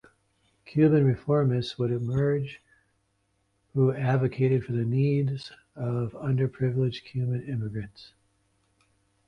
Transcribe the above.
Cuban reformists would emerge who advocated for the needs of underprivileged Cuban emigrants.